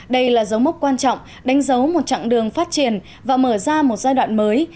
đây là dấu mốc quan trọng đánh dấu một chặng đường phát triển và mở ra một giai đoạn mới